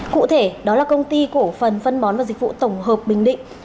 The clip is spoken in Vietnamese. cụ thể đó là công ty cổ phần phân bón và dịch vụ tổng hợp bình định